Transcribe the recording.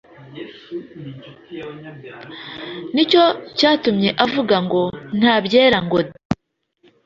Nicyo cyatumye avuga ngo «Ntabyera ngo de!»